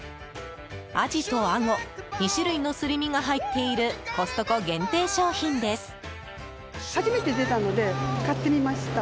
アジとアゴ２種類のすり身が入っているコストコ限定商品です。